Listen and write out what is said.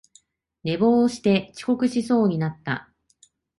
寝坊して遅刻しそうになった